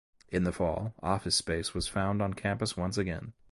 In the fall, office space was found on campus once again.